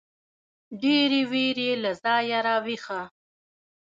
ډېـرې وېـرې له ځايـه راويـښه.